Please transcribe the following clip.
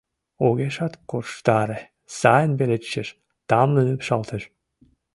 Огешат корштаре — сайын веле чучеш, тамлын ӱпшалтеш.